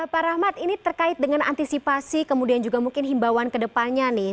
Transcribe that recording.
pak rahmat ini terkait dengan antisipasi kemudian juga mungkin himbawan ke depannya nih